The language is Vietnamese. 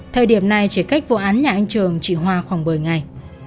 thời điểm này chỉ cách vô án nhà anh trường chị hoa khoảng bời ngày